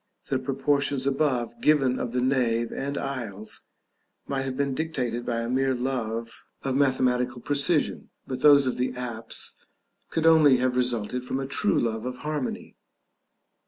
The proportions above given of the nave and aisles might have been dictated by a mere love of mathematical precision; but those of the apse could only have resulted from a true love of harmony.